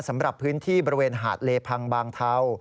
สำหรับพื้นที่บริเวณหาดเลพังบางเทา